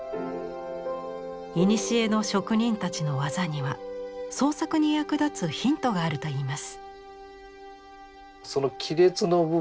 いにしえの職人たちの技には創作に役立つヒントがあるといいます。